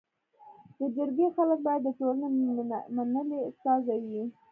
د جرګي خلک باید د ټولني منلي استازي وي.